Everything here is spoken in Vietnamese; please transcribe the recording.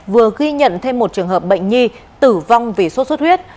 vừa ghi nhận thêm một trường hợp bệnh nhi tử vong vì sốt xuất huyết